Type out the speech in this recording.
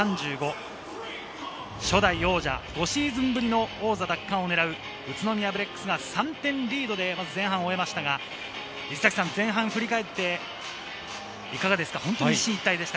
初代王者、５シーズンぶりの王座奪還をねらう宇都宮ブレックスが３点リードで前半を終えましたが、振り返っていかがですか？